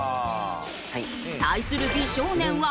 対する美少年は。